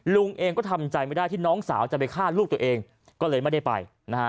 ลุงเองก็ทำใจไม่ได้ที่น้องสาวจะไปฆ่าลูกตัวเองก็เลยไม่ได้ไปนะฮะ